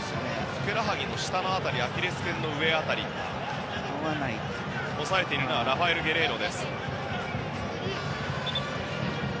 ふくらはぎの下辺りアキレス腱の上辺りを押さえているのはラファエル・ゲレイロです。